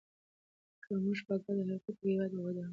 که موږ په ګډه حرکت وکړو، هېواد به ودان کړو.